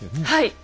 はい。